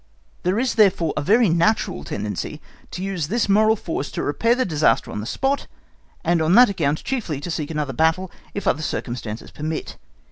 There is therefore a very natural tendency to use this moral force to repair the disaster on the spot, and on that account chiefly to seek another battle if other circumstances permit.